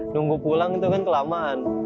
nunggu pulang itu kan kelamaan